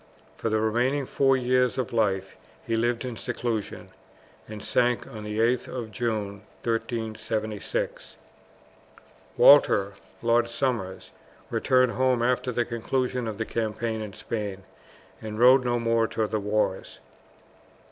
For the remaining four years of life he lived in seclusion, and sank on the 8th of June, 1376. Walter, Lord Somers, returned home after the conclusion of the campaign in Spain, and rode no more to the wars.